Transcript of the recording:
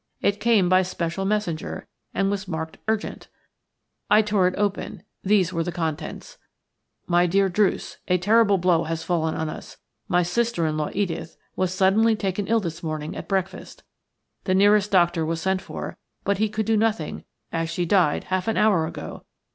It came by special messenger, and was marked "Urgent". I tore it open. These were its contents:– "MY DEAR DRUCE, – A terrible blow has fallen on us. My sister in law, Edith, was taken suddenly ill this morning at breakfast. The nearest doctor was sent for, but he could do nothing, as she died half an hour ago.